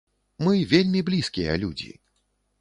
Мы вельмі блізкія людзі.